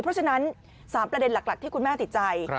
เพราะฉะนั้น๓ประเด็นหลักที่คุณแม่ติดใจ